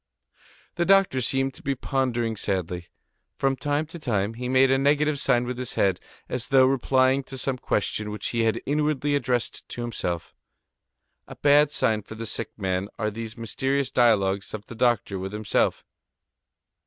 The doctor seemed to be pondering sadly. From time to time, he made a negative sign with his head, as though replying to some question which he had inwardly addressed to himself. A bad sign for the sick man are these mysterious dialogues of the doctor with himself.